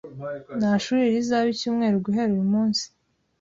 Nta shuri rizaba icyumweru guhera uyu munsi.